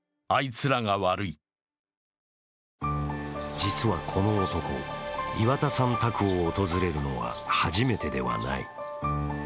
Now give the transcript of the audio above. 実はこの男、岩田さん宅を訪れるのは初めてではない。